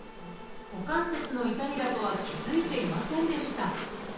股関節の痛みだとは気付いていませんでした。